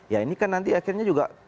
ya ini kan nanti akhirnya juga